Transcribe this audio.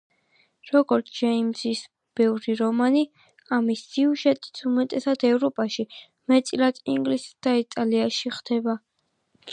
როგორც ჯეიმზის ბევრი რომანი, ამის სიუჟეტიც უმეტესად ევროპაში, მეტწილად ინგლისსა და იტალიაში ხდება.